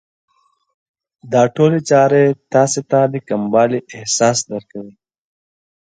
دا ټولې چارې تاسې ته د کموالي احساس درکوي.